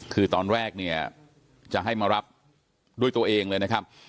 คือตอนแรกเนี่ยจะให้มารับด้วยตัวเองเลยนะครับ